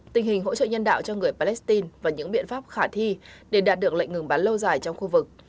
tình hình hỗ trợ nhân đạo cho người palestine và những biện pháp khả thi để đạt được lệnh ngừng bắn lâu dài trong khu vực